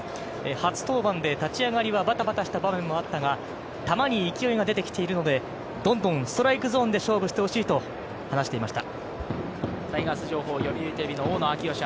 初登板で立ち上がりはバタバタした感はあったが、球に勢いが出てきているので、どんどんストライクゾーンで勝負してほしいと話していました。